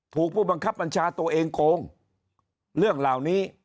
ผู้บังคับบัญชาตัวเองโกงเรื่องเหล่านี้